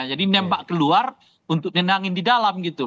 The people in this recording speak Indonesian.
jadi nembak keluar untuk nendangin di dalam gitu